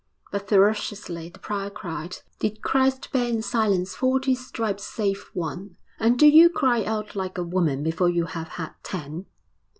But ferociously the prior cried, 'Did Christ bear in silence forty stripes save one, and do you cry out like a woman before you have had ten!'